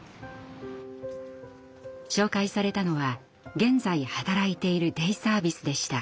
紹介されたのは現在働いているデイサービスでした。